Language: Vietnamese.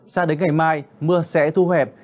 sao đến ngày mai mưa sẽ thu hẹp